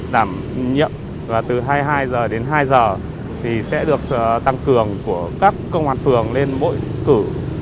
đảm nhiệm và từ hai mươi hai h đến hai giờ thì sẽ được tăng cường của các công an phường lên bội cử